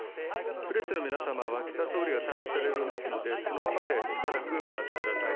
プレスの皆さんは岸田総理が退出されるのでそのままでしばらくお待ちください。